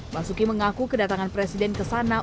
basuki mengaku kedatangan presiden ke sana